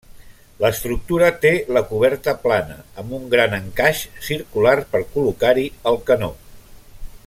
L'estructura té la coberta plana amb un gran encaix circular per col·locar-hi el canó.